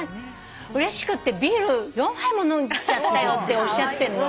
うれしくってビール４杯も飲んじゃったよ」っておっしゃってるの。